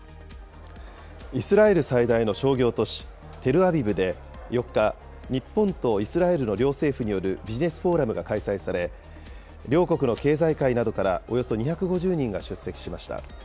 イスラエル最大の商業都市テルアビブで４日、日本とイスラエルの両政府によるビジネスフォーラムが開催され、両国の経済界などからおよそ２５０人が出席しました。